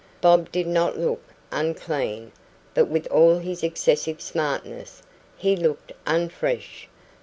Bob did not look unclean, but with all his excessive smartness, he looked unfresh.